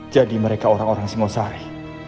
jadi mereka orang orang singosari